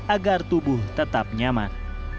agar tubuh tetap nyaman